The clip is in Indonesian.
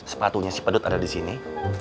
sepatunya si pedut ada di sini